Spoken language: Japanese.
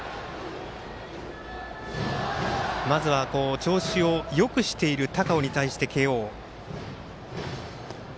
まずは調子をよくしている高尾に対して、慶応。